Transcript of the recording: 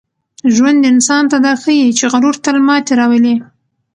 ژوند انسان ته دا ښيي چي غرور تل ماتې راولي.